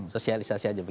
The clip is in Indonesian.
sosialisasi aja begitu